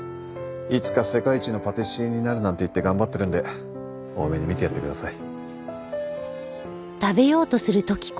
いつか世界一のパティシエになるなんて言って頑張ってるんで大目に見てやってください。